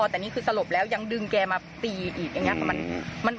แต่นี้คือสลบแล้วยังดึงเกียร์มาตียังไง